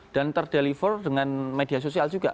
dan terdeliver dengan media sosial juga